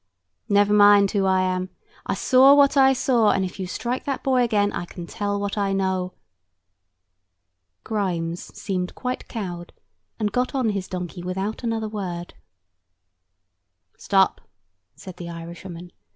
"Never mind who I am. I saw what I saw; and if you strike that boy again, I can tell what I know." Grimes seemed quite cowed, and got on his donkey without another word. "Stop!" said the Irishwoman.